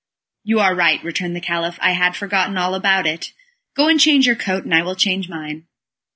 "You are right," returned the Caliph, "I had forgotten all about it. Go and change your coat, and I will change mine."